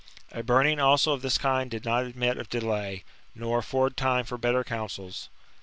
A burning also of this kind did not admit of delay, nor alford time for better counsels.